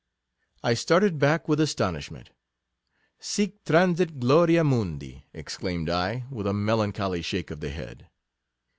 I started back with astonishment. Sictran* sit gloria mundi ! exclaimed I, with a melan choly shake of the head.